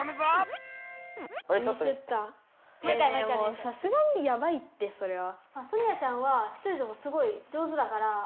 もうさすがにやばいってそれは。